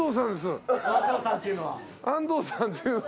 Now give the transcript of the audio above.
安藤さんっていうのは。